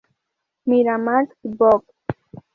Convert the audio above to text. Miramax Books.